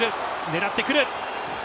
狙ってくる。